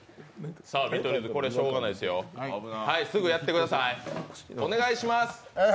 これはしょうがないですよすぐやってください。